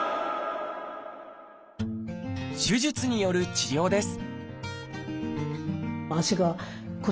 手術による治療です